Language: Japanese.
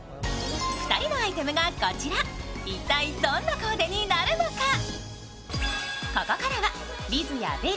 ２人のアイテムがこちら、一体どんなコーデになるのか。